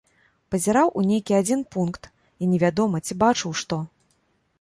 Пазіраў у нейкі адзін пункт, і невядома, ці бачыў што.